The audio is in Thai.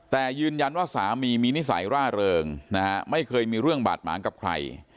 แต่ยืนยันว่าสามีมีนิสัยร่าเริงนะฮะไม่เคยมีเรื่องบาดหมางกับใคร